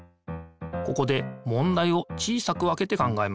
ここでもんだいを小さく分けて考えます。